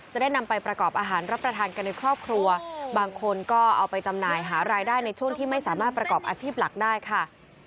จะได้นำไปประกอบอาหารรับประทานกันในครอบครัวบางคนก็เอาไปจำหน่ายหารายได้ในช่วงที่ไม่สามารถประกอบอาชีพหลักได้ค่ะ